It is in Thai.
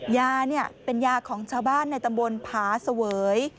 ยาเป็นยาของชาวบ้านในตำบลผาเสวย